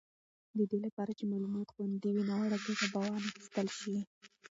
د دې لپاره چې معلومات خوندي وي، ناوړه ګټه به وانخیستل شي.